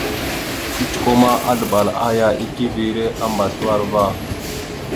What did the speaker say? Kecəkwe ma, azləɓal aya ekeve a mbazləwar va.